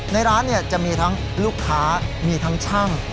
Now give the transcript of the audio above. ในร้านจะมีทั้งลูกค้ามีทั้งช่าง